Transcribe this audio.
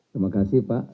terima kasih pak